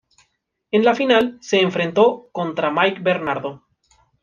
En la final, se enfrentó contra Mike Bernardo.